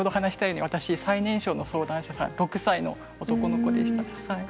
最年少の相談者さんは６歳の男の子でした。